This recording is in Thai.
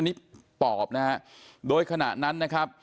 นี่ปอบนะฮะโดยขณะนั้นนะครับ